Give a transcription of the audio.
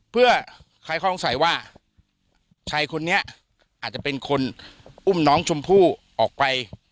เพื่อคล้ายข้อสงสัยว่าชายคนนี้อาจจะเป็นคนอุ้มน้องชมพู่ออกไป